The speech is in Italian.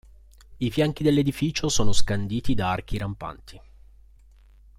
I fianchi dell'edificio sono scanditi da archi rampanti.